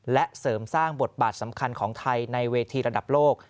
และเสริมสร้างบทบาทสำคัญของไทยในเวทีระดับโลก